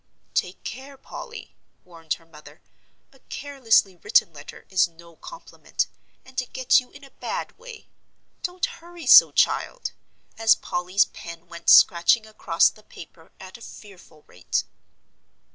"Take care, Polly," warned her mother; "a carelessly written letter is no compliment, and it gets you in a bad way. Don't hurry so, child," as Polly's pen went scratching across the paper at a fearful rate.